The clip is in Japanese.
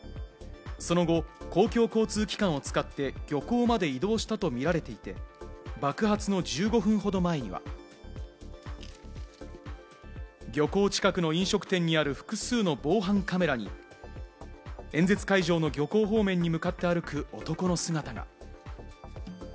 その後、公共交通機関を使って漁港まで移動したとみられていて、爆発の１５分ほど前には漁港近くの飲食店にある複数の防犯カメラに演説会場の漁港方面に向かって歩く男の姿が。